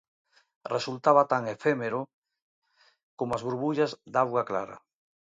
resultaba tan efémero como as burbullas da auga clara.